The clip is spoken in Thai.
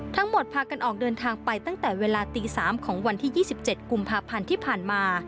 พากันออกเดินทางไปตั้งแต่เวลาตี๓ของวันที่๒๗กุมภาพันธ์ที่ผ่านมา